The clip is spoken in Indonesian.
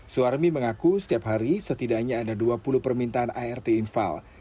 suharmi mengaku setiap hari setidaknya ada dua puluh permintaan art infal